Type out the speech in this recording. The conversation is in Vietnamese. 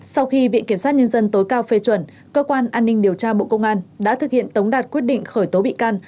sau khi viện kiểm sát nhân dân tối cao phê chuẩn cơ quan an ninh điều tra bộ công an đã thực hiện tống đạt quyết định khởi tố bị can